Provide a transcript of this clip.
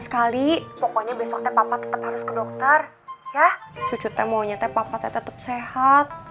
sekali pokoknya besoknya papa tetap harus ke dokter ya cucu temunya teh papa tetap sehat